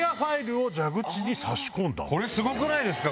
これすごくないですか？